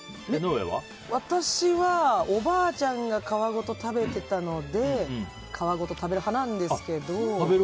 私はおばあちゃんが皮ごと食べていたので皮ごと食べる派なんですけど。